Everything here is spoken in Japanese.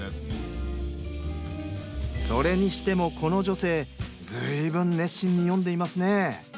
それにしてもこの女性ずいぶん熱心に読んでいますね。